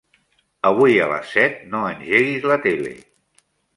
Avui a les set no engeguis la tele.